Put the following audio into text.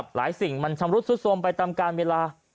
หลายสิ่งมันชำรุดสุทธิ์สมไปตามกาลเวลา